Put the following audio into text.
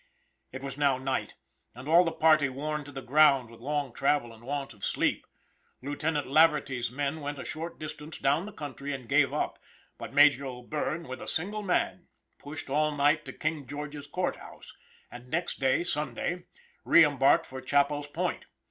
It was now night, and all the party worn to the ground with long travel and want of sleep. Lieutenant Laverty's men went a short distance down the country and gave up, but Major O'Bierne, with a single man, pushed all night to King George's court house, and next day, Sunday, re embarked for Chappell's Point.